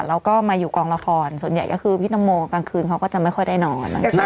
แล้วก็มาอยู่กองละครส่วนใหญ่ก็คือพี่ตังโมกลางคืนเขาก็จะไม่ค่อยได้นอน